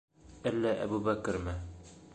Әллә Әбүбәкерме?